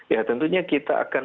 ya tentunya kita akan